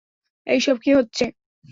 এইসব কী হচ্ছে?